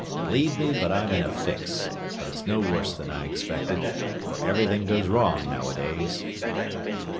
Bleed me, but I'm in a fix; but it's no worse than I expected, for everything goes wrong nowadays."